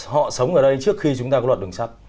họ sống ở đây trước khi chúng ta có luật đường sắt